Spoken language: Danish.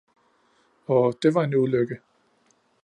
Oh det var en ulykke!